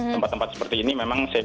tempat tempat seperti ini memang saya pikir